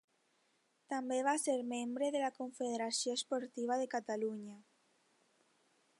També va ser membre de la Confederació Esportiva de Catalunya.